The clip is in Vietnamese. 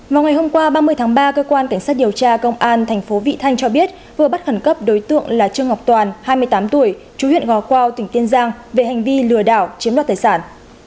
vào ngày hôm qua ba mươi tháng ba cơ quan cảnh sát điều tra công an thành phố vị thanh cho biết vừa bắt khẩn cấp đối tượng là trương ngọc toàn hai mươi tám tuổi chú huyện ngò quao tỉnh kiên giang về hành vi lừa đảo chiếm đoạt tài sản